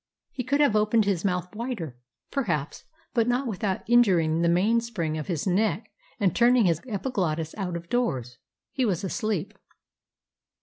He could have opened his mouth wider, perhaps, but not without injuring the mainspring of his neck and turning his epiglottis out of doors. He was asleep.